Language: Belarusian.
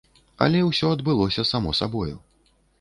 Але ўсё адбылося само сабою.